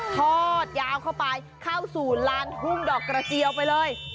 ทอดยาวเข้าไปเข้าสู่ลานทุ่งดอกกระเจียวไปเลย